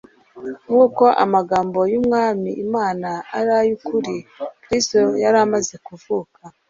Nk'uko amagambo y'Umwami Imana ari ay'ukuri, Kristo yari amaze kuvuka.